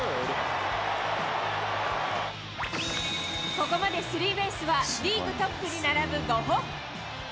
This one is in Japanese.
ここまでスリーベースは、リーグトップに並ぶ５本。